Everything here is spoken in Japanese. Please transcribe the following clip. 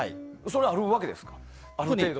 それがあるわけですか？